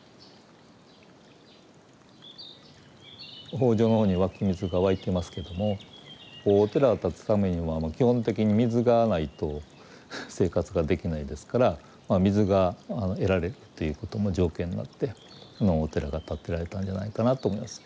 方丈のほうに湧き水が湧いてますけどもお寺が建つためには基本的に水がないと生活ができないですから水が得られるということも条件になってこのお寺が建てられたんじゃないかなと思います。